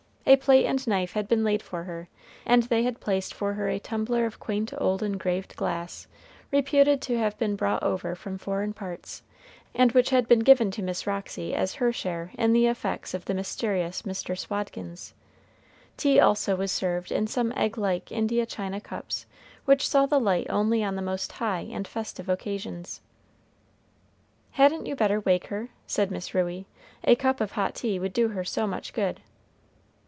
A plate and knife had been laid for her, and they had placed for her a tumbler of quaint old engraved glass, reputed to have been brought over from foreign parts, and which had been given to Miss Roxy as her share in the effects of the mysterious Mr. Swadkins. Tea also was served in some egg like India china cups, which saw the light only on the most high and festive occasions. "Hadn't you better wake her?" said Miss Ruey; "a cup of hot tea would do her so much good."